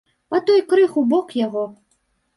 Па той крыху бок яго.